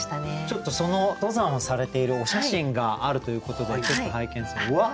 ちょっとその登山をされているお写真があるということでちょっと拝見するうわ！